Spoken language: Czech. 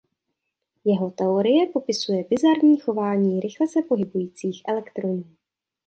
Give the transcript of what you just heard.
Jeho teorie popisuje bizarní chování rychle se pohybujících elektronů.